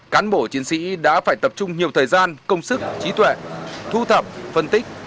cán bộ chiến sĩ đã phải tập trung nhiều thời gian công sức trí tuệ thu thập phân tích